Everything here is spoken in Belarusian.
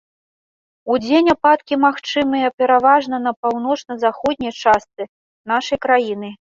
Удзень ападкі магчымыя пераважна на паўночна-заходняй частцы нашай краіны.